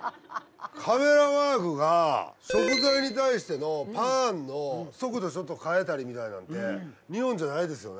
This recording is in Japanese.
カメラワークが食材に対してのパーンの速度ちょっと変えたりみたいなんて日本じゃないですよね。